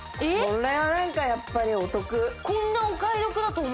これはなんかやっぱりお得。